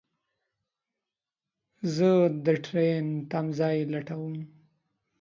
زه دټرين تم ځای لټوم